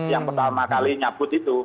yang pertama kali nyabut itu